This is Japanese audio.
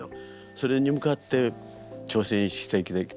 それに向かって挑戦して生きてきた。